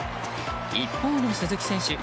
一方の鈴木選手。